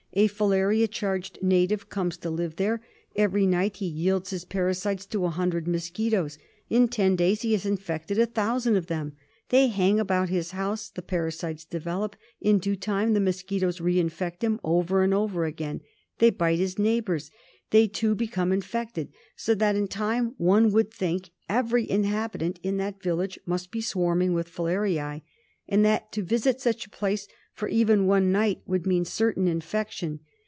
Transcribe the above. A filaria charged native comes to live there. Every night he yields his parasites to a hundred mos quitos. In ten days he has infected a thousand of them. They hang about his house ; the parasites develop. In due time the mosquitos re infect him over and over again. They bite his neighbours. They, too, become infected; so that in time one would think every inhabitant in that village must be swarming with filariae, and that to visit such a place for even one night would mean certain infection.